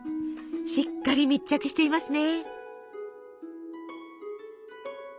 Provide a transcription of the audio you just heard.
しっかり密着していますね。